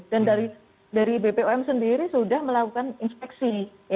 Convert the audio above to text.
dan dari bpom sendiri sudah melakukan inspeksi